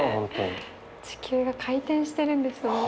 地球が回転してるんですもんね。